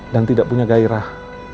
dan tidak punya gairah